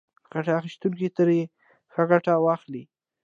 ګټه اخیستونکي ترې ښه ګټه واخلي.